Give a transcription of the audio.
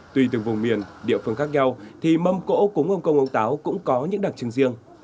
tùy từng vùng miền địa phương khác nhau thì mâm cỗ cúng ông công ông táo cũng có những đặc trưng riêng